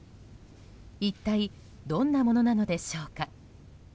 一体どんなものなのでしょうか。